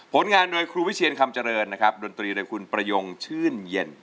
งานโดยครูวิเชียนคำเจริญนะครับดนตรีโดยคุณประยงชื่นเย็น